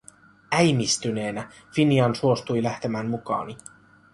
Äimistyneenä Finian suostui lähtemään mukaani.